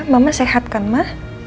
mama sehat kan ma